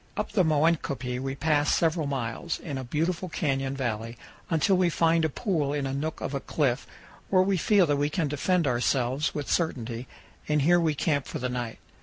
Up the Moenkopi we pass several miles, in a beautiful canyon valley, until we find a pool in a nook of a cliff, where we feel that we can defend ourselves with certainty, and here we camp for the night.